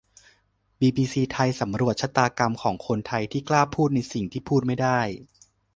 บีบีซีไทยสำรวจชะตากรรมของคนไทยที่กล้าพูดในสิ่งที่พูดไม่ได้